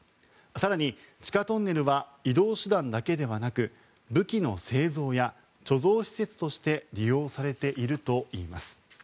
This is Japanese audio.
更に、地下トンネルは移動手段だけではなく武器の製造や貯蔵施設として利用されているといいます。